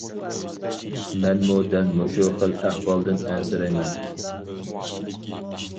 مەنمۇ دەل مۇشۇ خىل ئەھۋالدىن ئەنسىرەيمەن.